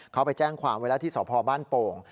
เขาไปแจ้งความไว้แล้วที่สพบ้านโป่ง